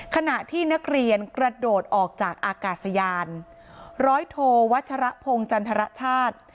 ขณะที่นักเรียนกระโดดออกจากอากาศยานร้อยโทวัชรพงศ์จันทรชาติ